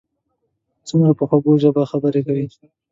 څومره په خوږه ژبه خبرې کوي.